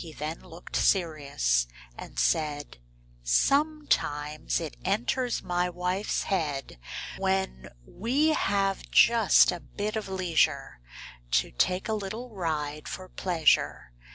then looked serious and said :— 1897. Copyrighted, Xf^OMETIMES it enters my wife's head, When we have just a bit of leisure, To take a little ride for pleasure.